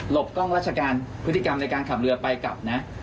บกล้องราชการพฤติกรรมในการขับเรือไปกลับนะ